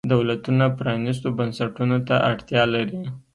دولتونه پرانیستو بنسټونو ته اړتیا لري.